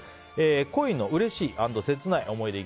恋のうれしい＆切ない思い出。